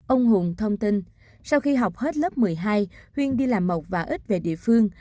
ông hùng thông tin sau khi học hết lớp một mươi hai huy đi làm mộc và ít về địa phương